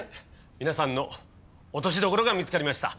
皆さんの落としどころが見つかりました。